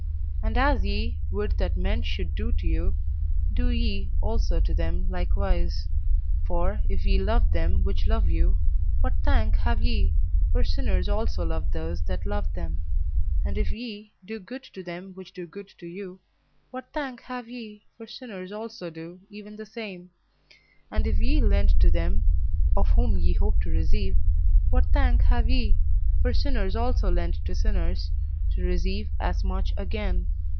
And as ye would that men should do to you, do ye also to them likewise. For if ye love them which love you, what thank have ye? for sinners also love those that love them. And if ye do good to them which do good to you, what thank have ye? for sinners also do even the same. And if ye lend to them of whom ye hope to receive, what thank have ye? for sinners also lend to sinners, to receive as much again.